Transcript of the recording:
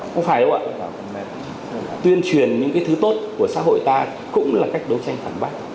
không phải là tuyên truyền những cái thứ tốt của xã hội ta cũng là cách đấu tranh phản bác